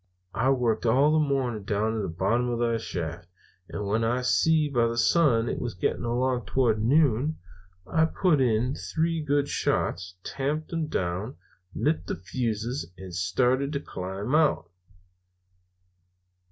"I worked all the morning down at the bottom of the shaft, and when I see by the sun it was getting along towards noon, I put in three good shots, tamped 'em down, lit the fuses, and started to climb out.